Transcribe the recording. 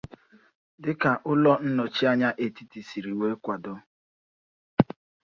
dịka ụlọ nnọchianya etiti siri wee kwàdo